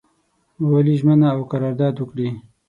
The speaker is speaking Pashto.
ولي ژمنه او قرارداد وکړي.